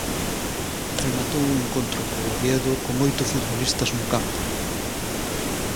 Rematou o encontro co Oviedo con oito futbolistas no campo.